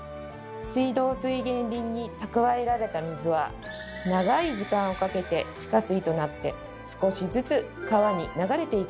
水道水源林に蓄えられた水は長い時間をかけて地下水となって少しずつ川に流れていくんです。